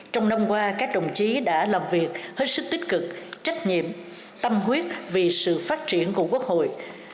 trong năm qua các đồng chí đã làm việc hết sức tích cực trách nhiệm tâm huyết vì sự phát triển của quốc hội